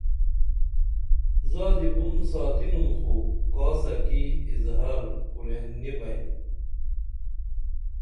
زادی بُن ساتنُم خو کاسہ کی اظہار کورین نی بئیم